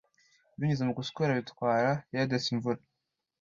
Binyuze mu guswera bitwara Hyades imvura